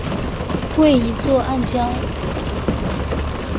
为一座暗礁。